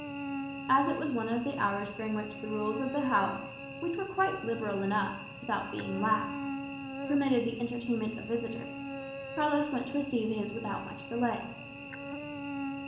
As it was one of the hours during which the rules of the house (which were quite liberal enough, without being lax) permitted the entertainment of visitors, Carlos went to receive his without much delay.